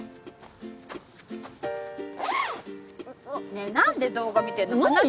ねえ何で動画見てんの？